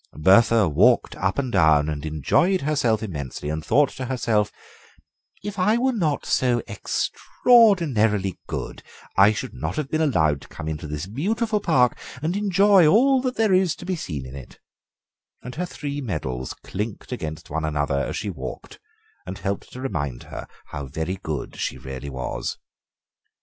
Bertha walked up and down and enjoyed herself immensely, and thought to herself: 'If I were not so extraordinarily good I should not have been allowed to come into this beautiful park and enjoy all that there is to be seen in it,' and her three medals clinked against one another as she walked and helped to remind her how very good she really was.